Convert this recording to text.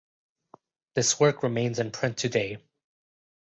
This work remains in print today.